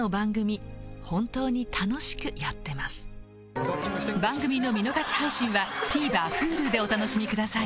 次回おかえりなさい番組の見逃し配信はＴＶｅｒＨｕｌｕでお楽しみください